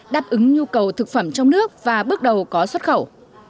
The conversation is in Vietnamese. đáp ứng nhu cầu thực phẩm trong nước và bước đầu có xuất khẩu